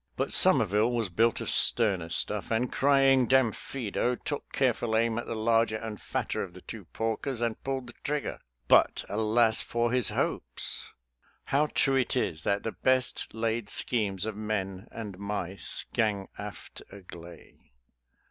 But Somerville was built of sterner stuff, and crying " Damfido," took careful aim at the larger and fatter of the two porkers, and pulled the trigger. But, alas, for his hopes! How true it is that " the best laid schemes of men and mice gang aft agley."